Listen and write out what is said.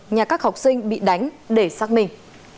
nhà các học sinh bị đánh để xác minh